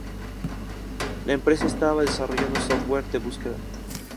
La empresa estaba desarrollando software de búsqueda.